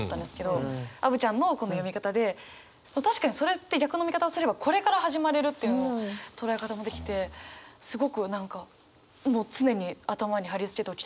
アヴちゃんのこの読み方で確かにそれって逆の見方をすればこれから始まれるというのを捉え方もできてすごく何かもう常に頭に貼り付けておきたい言葉だなと思いました。